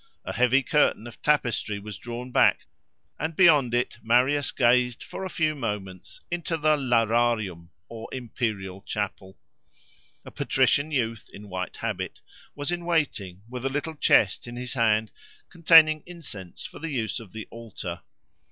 A heavy curtain of tapestry was drawn back; and beyond it Marius gazed for a few moments into the Lararium, or imperial chapel. A patrician youth, in white habit, was in waiting, with a little chest in his hand containing incense for the use of the altar.